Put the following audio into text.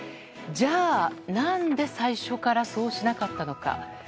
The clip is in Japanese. じゃあ、何で最初からそうしなかったのか。